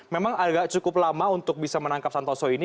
memang agak cukup lama untuk bisa menangkap santoso ini